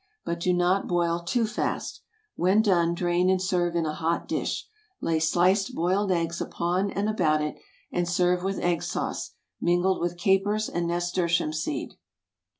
But do not boil too fast. When done, drain and serve in a hot dish. Lay sliced boiled eggs upon and about it, and serve with egg sauce, mingled with capers and nasturtium seed.